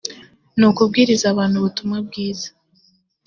ni ukubwiriza abantu ubutumwa bwiza